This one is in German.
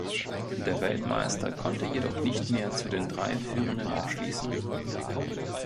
Der Weltmeister konnte jedoch nicht mehr zu den drei Führenden aufschließen.